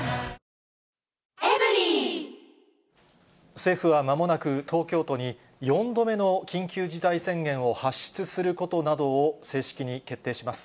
政府はまもなく、東京都に、４度目の緊急事態宣言を発出することなどを正式に決定します。